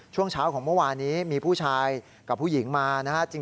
ช่วงเช้าของเมื่อวานนี้มีผู้ชายกับผู้หญิงมานะฮะ